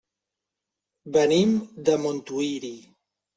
Venim de Montuïri.